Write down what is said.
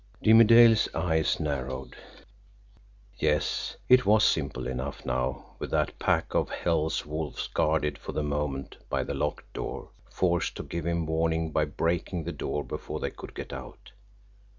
Jimmie Dale's eyes narrowed. Yes, it was simple enough now with that pack of hell's wolves guarded for the moment by a locked door, forced to give him warning by breaking the door before they could get out.